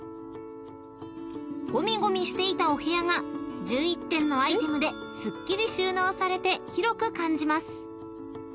［ごみごみしていたお部屋が１１点のアイテムですっきり収納されて広く感じます］